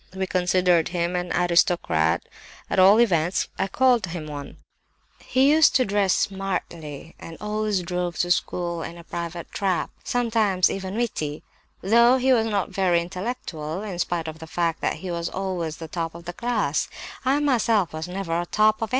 We considered him an aristocrat; at all events I called him one. He used to dress smartly, and always drove to school in a private trap. He was a good companion, and was always merry and jolly, sometimes even witty, though he was not very intellectual, in spite of the fact that he was always top of the class; I myself was never top in anything!